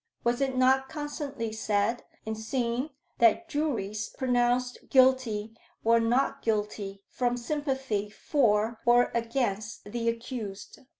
Was it not constantly said and seen that juries pronounced Guilty or Not Guilty from sympathy for or against the accused?